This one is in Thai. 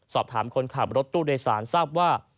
สอบถามคนขับรถตู้โดยสารทราบว่า